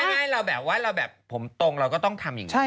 ง่ายเราแบบว่าเราแบบผมตรงเราก็ต้องทำอย่างนี้